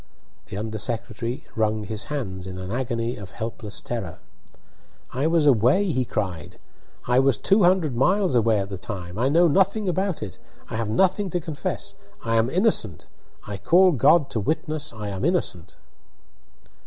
The under secretary wrung his hands in an agony of helpless terror. "I was away!" he cried. "I was two hundred miles away at the time! I know nothing about it I have nothing to confess I am innocent I call God to witness I am innocent!"